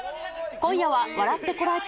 今夜は笑ってコラえて！